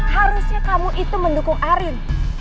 harusnya kamu itu mendukung arin